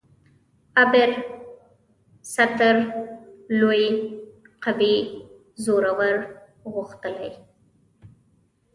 ابر: ستر ، لوی ، قوي، زورور، غښتلی